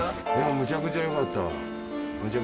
むちゃくちゃよかった。